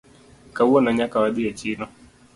Kawuono nyaka wadhi e chiro